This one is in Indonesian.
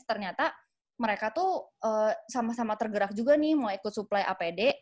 ternyata mereka tuh sama sama tergerak juga nih mau ikut suplai apd